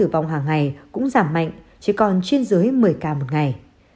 số ca tử vong hàng ngày cũng giảm mạnh chỉ còn trên dưới một mươi ca một ngày